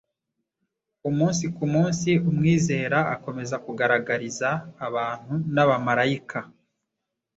Umunsi ku munsi umwizera akomeza kugaragariza abantu n’abamarayika